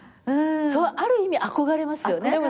ある意味憧れますよね。